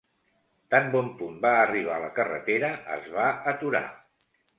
Tan bon punt va arribar a la carretera, es va aturar.